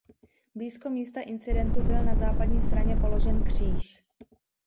Blízko místa incidentu byl na západní straně položen kříž.